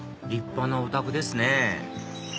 立派なお宅ですね